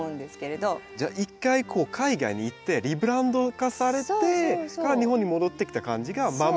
じゃあ一回海外に行ってリブランド化されてから日本に戻ってきた感じがマム。